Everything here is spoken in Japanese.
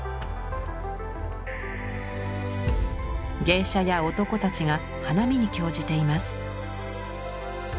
芸者や男たちが花見に興じています。